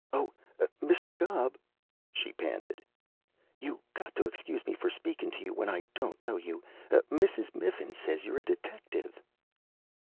"Oh, Mr. Gubb!" she panted. "You got to excuse me for speakin' to you when I don't know you. Mrs. Miffin says you're a detective."